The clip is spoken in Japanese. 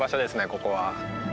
ここは。